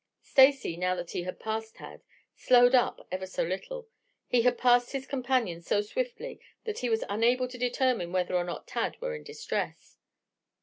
Stacy, now that he had passed Tad, slowed up ever so little. He had passed his companion so swiftly that he was unable to determine whether or not Tad were in distress.